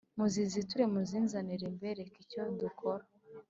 muziziture muzinzanire mbereke icyo dukora